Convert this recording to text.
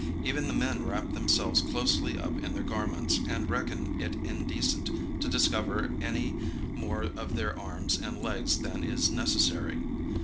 Even the men wrap themselves closely up in their garments, and reckon it indecent to discover any more of their arms and legs than is necessary.